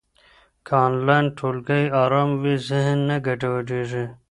که انلاین ټولګی ارام وي، ذهن نه ګډوډېږي.